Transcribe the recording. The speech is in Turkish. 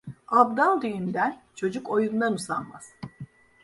Abdal düğünden, çocuk oyundan usanmaz.